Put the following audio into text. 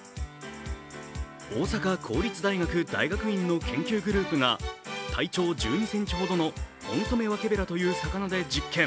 大阪公立大学大学院の研究グループが体長１２ｃｍほどのホンソメワケベラという魚で実験。